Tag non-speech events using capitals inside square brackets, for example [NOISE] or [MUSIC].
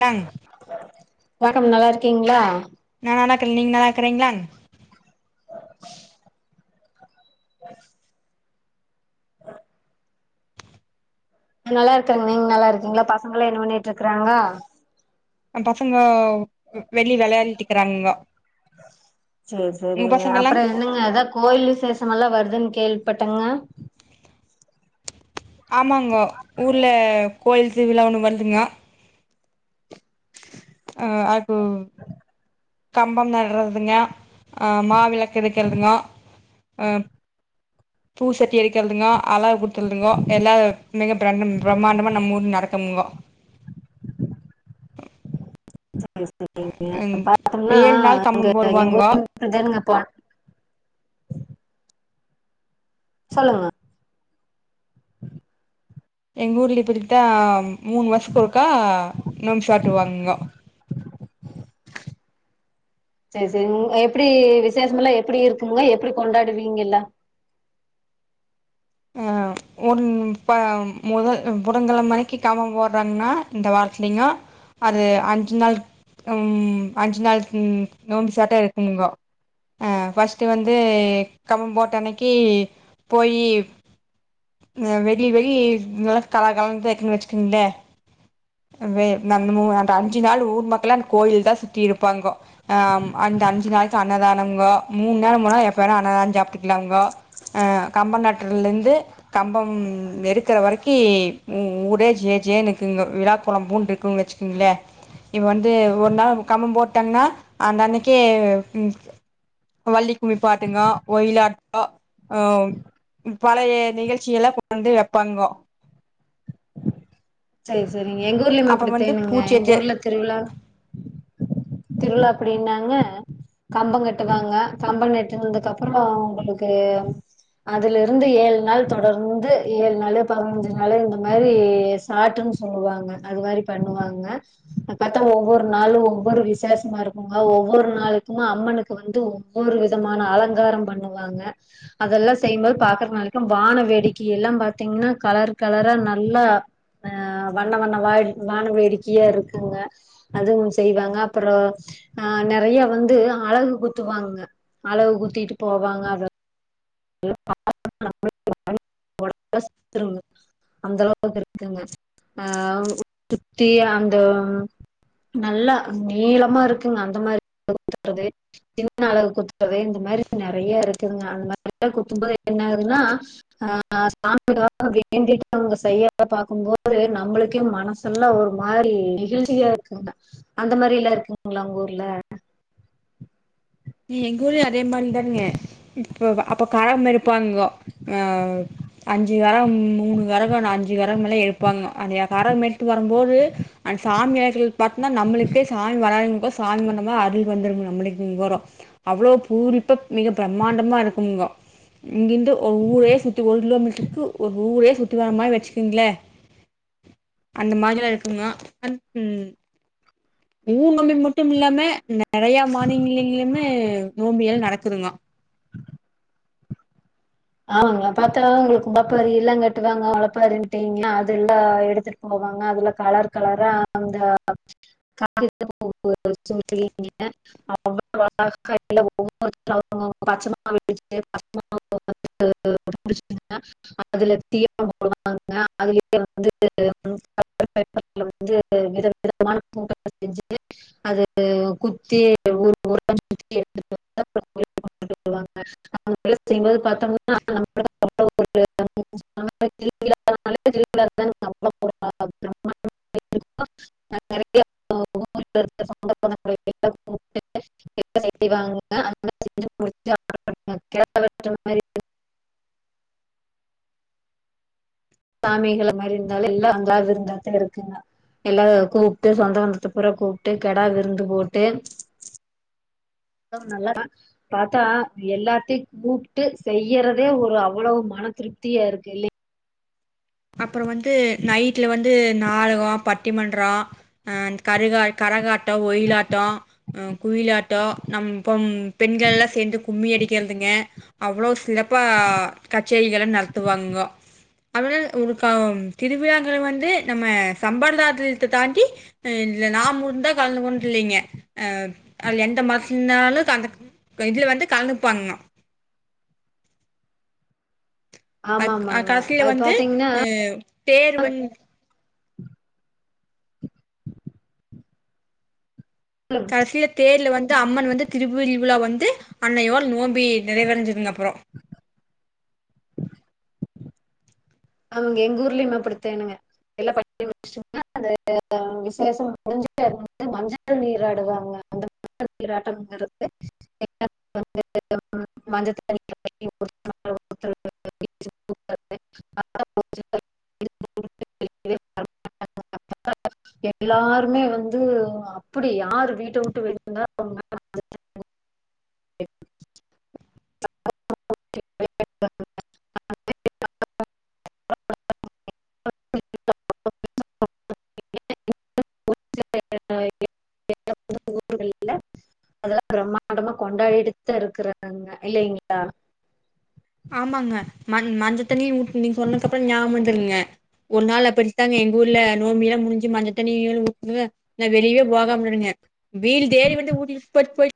tongue வண்க்கம் நல்லார்க்கீங்களா நா நல்லாக்கே நீங்க நல்லாக்கறீங்ளா [INAUDIBLE] நல்லார்க்கங் நீங்க நல்லார்க்கீங்ளா பசங்களா என்ன பண்ணிட்ருக்குறாங்க அ பசங்கவ் உ வெளி வெளாடிடிக்கறாங்கோ சர் சரிங்க அப்றம் என்னங்க அதா கோயில் விசேசமல்லா வர்துன் கேள்ப்பட்டங்க ஆமாங்கோ ஊர்ல கோயில் திருவிழா ஒன்னு வருதுங்க ஆ அப்பூ கம்பு நடுறதுங்க மாவிளக்கு எடுக்குறதுங்க அ பூசட்டி எடுக்கிறதுங்கோ அழகு குத்துறதுங்கோ எல்லா மிக பிரண்ட பிரம்மாண்டமா நம்ம ஊர்ல நட க்குமுங்க செரி செரிங்க ம் பாத்தோம்னா ஏழு நாள் இங்க கம்பம் போடுவாங்கோ [UNINTELLIGIBLE] சொல்லுங்க எங்க ஊர்ல இப்படித்தா மூணு வர்ஷத்துக்கு ஒருக்கா நோன்பு சாட்டு வாங்கங்கோ செரி செரி எப்டி விசேஷமெல்லா எப்டி இருக்குங்க எப்டி கொண்டாடுவீங்கல்ல ஆ ஒரு இப்ப முதல் புதன் கெழம அன்னிக்கி கம்ப போடுறாங்கன்னா இந்த வாரத்திலிங்க அது அஞ்சு நாள் உம் அஞ்சு நாள் உம் நோம்பு சாட்டா ஆயிருக்குங்கோ ஃபஸ்ட்டு வந்து கம்பம் போட்ட அன்னைக்கி போயி வெளிய வெ நல்லா கலகலனு தா இருக்குன்னு வச்சுக்கங்களே அந்த அஞ்சு நாள் ஊர் மக்கள்லா அந்த கோயில தா சுத்தி இருப்பாங்கோ ஆ அம் அந்த அஞ்சு நாளைக்கு அன்னதானம்ங்கோ மூணு நாள் முனா எப்பவேனா அன்னதானம் சாப்டுக்கலாம்ங்கோ ஆ கம்ப நாட்றதுலேருந்து கம்பம் எடுக்கற வரைக்கி ஊரே ஜே ஜேனு இக்குங்க விழா கொழம்பூன்டு இருக்குன் வச்சுக்கோங்களே இப்ப வந்து ஒரு நாள் கம்ப போட்டாங்கன்னா அந்தன்னைக்கே வள்ளிக்கும்மி பாட்டுங்க ஒயிலாட் டோ அ பழைய நிகழ்ச்சிகெல்லா கொண்டாந்து வைப்பாங்கோ செரி செரிங்க எங்க ஊர்லயுமே அப்புறம் வந்து அப்டிதெனுங்க எங்க பூச்செட்டு ஊர்ல திருவிழா திருவிழா அப்படின்னாங்க கம்பம் கட்டுவாங்க கம்பம் நட்டுனதுக்கு அப்புறோ உங்களுக்கு அதுல இருந்து ஏழு நாள் தொடர்ந்து ஏழு நாளு பதினெஞ்சு நாளு இந்த மாரி பாட்டுன்னு சொல்லுவாங்க அது மாரி பண்ணுவாங்க இப்ப பாத்தா ஒவ்வொரு நாளு ஒவ்வொரு விசேஷமா இருக்குங்க ஒவ்வொரு நாளுக்குமே அம்மனுக்கு வந்து ஒவ்வொரு விதமான அலங்காரம் பண்ணுவாங்க அதெல்லா செய்யும்போது பாக்குறது நாளைக்கு வான வேடிக்கை எல்லா பாத்தீங்கன்னா கலர் கலரா நல்லா அ வண்ண வண்ண வாழ் வானவேடிக்கையா இருக்குங்க அதுவும் செய்வாங்க அப்பறோ ஆ நெறையா வந்து அழகு குத்துவாங்க அழகு குத்திட்டு போவாங்க அத நல்லா [INAUDIBLE] பாக் [INAUDIBLE] ருவு அந்த அளவுக்கு இருக்குங்க ஆ சுத்தி அந்த நல்லா நீளமா இருக்குங்க அந்த மாரி [INAUDIBLE] றது சின்னழகு குத்துறது இந்த மாரி நெறையா இருக்குதுங்க அந்த மாரி குத்தும்போது என்ன ஆகுதுன்னா ஆ சாமிக்காக வேண்டிட்டு அவங்க செய்யறத பாக்கும்போது நம்மளுக்கே மனசு இதெல்லா ஒரு மாரி நிகழ்ச்சியா இருக்குங்க அந்த மாரில்லா இருக்குங்களா உங்க ஊர்ல எங்க ஊர்லயு அதே மாரிதானுங்க இப்ப அப்ப கரக மாரி இப்பாங்கோ ஆ அஞ்சு கரகோ மூணு கரகோ அஞ்சு கரகோல்லா எடுப்பாங்க அந்த கரகம் எடுத்து வரும்போது அன் சாமி ஆடில் பாத்திங்னா நம்மளுக்கே சாமி வராதவங்கோ சாமி வந்தமாரி அருள் வந்துரு நம்மளுக்கு இங்கோரோ அவ்ளோ பூரிப்பப் மிக பிரம்மாண்டமா இருக்கும்ங்கோ இங்கிருந்து ஒரு ஊரே சுத்தி ஒரு கிலோமீட்டருக்கு ஒரு ஊரே சுத்தி வர மாரி வச்சுக்கங்களே அந்த மாதிரிலா இருக்குங்க அ ம் ஊ நோம்பி மட்டுமில்லாம நெறைய மானிங்கலிலிமே நோம்பியல் நடக்குதுங்க ஆமாங்க பாத்தா ஒங்களுக்கு பப்பாரி எல்லா கட்டுவாங்க ஒளப்பாரின்ட்டீங்கள அது எல்லா எடுத்து போவாங்க அதுல கலர் கலரா அந்த [UNINTELLIGIBLE] [UNINTELLIGIBLE] [UNINTELLIGIBLE] அதுல தீப போடுவாங்க அதுலயே வந்து பேப்பர்ல வந்து வித விதமான பூக்கள செஞ்சு அது குத்தி ஊர் ஊர சுத்தி எடுத்துட்டு வருவாங்க சொல்வாங்க அவுங்கள செய்யு போது பாத்தோம்னா [UNINTELLIGIBLE] [UNINTELLIGIBLE] [UNINTELLIGIBLE] [UNINTELLIGIBLE] சாமிகளமேரி இர்ந்தாலு எல்லா அங்ளா இருந்தாத்தா இருக்குங்க எல்லாத கூப்ட்டு சொந்த பந்தத்த பூர கூப்ட்டு கெடா விருந்து போட்டு இன்னு நல்ல ந பாத்தா எல்லாத்தையு கூப்பிட்டு செய்யறதே ஒரு அவ்வளவு மன திருப்தியா இருக்கு இல்லைங் அப்ற வந்து நைட்ல வந்து நாடக பட்டிமன்ற அ கரகா கரகாட்ட ஒயிலாட்டோ அ குயிலாட்டோ நம் இப்பம் பெண்கலா சேந்து கும்மி அடிக்கறதுங்க அவ்ளோ சிறப்பா கச்சேரிகள நடத்துவாங்கோ அத்னால ஒரு கா திருவிழாங்கள் வந்து நம்ம சம்பரதாய்த்தை தாண்டி நாம்மொன்த கலந்துகோன்டில்லீங்க அ அது எந்த மாசிங்னாலு கந்து இதுலவந்து கலந்துப்பாங்கங்க அ ஆமா அ ஆமாங்க கடசில அது வந்து பாத்தீங்கன்னா அ பேர் வந் [INAUDIBLE] கடைசியில தேர்ல வந்து அம்மன் வந்து திருபி உர்ரிவிலா வந்து அன்னையோட நோம்பி நிறைவடஞ்சதுங்க அப்ற ஆமாங்க எங்க ஊர்லியு அப்படித்தேனுங்க [UNINTELLIGIBLE] அந்த விஷேசம் [UNINTELLIGIBLE] மஞ்சள் மஞ்சள் நீராடுவாங்க அந்த ம [UNINTELLIGIBLE] பாத புஜ்சுகள் எடுத்து குடுத்துட்டு எல்லாருமே வந்து அப்டி யாரு வீட்ட விட்டு வெளி வந்தா [UNINTELLIGIBLE] [UNINTELLIGIBLE] அதெல்லா பிரம்மாண்டமா கொண்டாடிட்டுத இருக்கறாங்க இல்லைங்ளா ஆமாங்க ம மஞ்சதண்ணிய ஊத்வி சொன்னக்கு அப்ற ஞாம் வந்துங்க ஒரு நாள் அப்படித்தாங்க எங்க ஊர்ல நோம்பிலா முடிஞ்சு மஞ்ச தண்ணி ஊத்துவ நா வெளியவெ போகாம இருந்த வீடு தேடி வந்து ஊடிட் போ போயிட்